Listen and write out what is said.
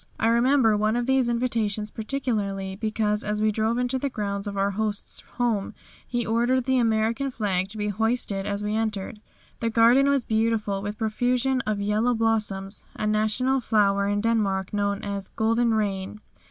I remember one of these invitations particularly because as we drove into the grounds of our host's home he ordered the American flag to be hoisted as we entered. The garden was beautiful with a profusion of yellow blossoms, a national flower in Denmark known as "Golden Rain."